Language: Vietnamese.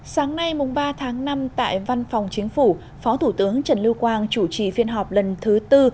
sáng nay ba tháng năm tại văn phòng chính phủ phó thủ tướng trần lưu quang chủ trì phiên họp lần thứ tư